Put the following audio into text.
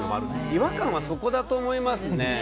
違和感はそこだと思いますね。